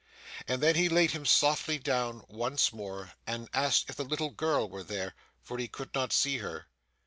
And then he laid him softly down once more, and asked if the little girl were there, for he could not see her.